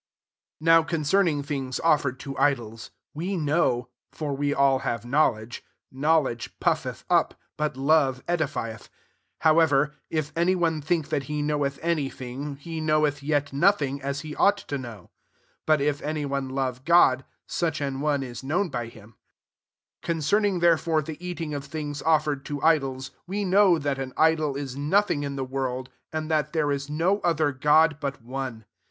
1 NOW concern ing things offered to idols, we know (for we all have know ledge : knowledge puffeth up, but love edifieth : 2 Ihowever,'] if any one think that he know cth any thing, he knoweth yet [nothing] as he ought to know : 3 but if any one love God, such an one is known by him :) 4 concerning therefore the eating of things offered to idols, we know that an id©l ia nothing in the world, and that there ia no [pother'] God but one.